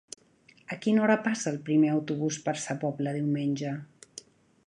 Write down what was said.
A quina hora passa el primer autobús per Sa Pobla diumenge?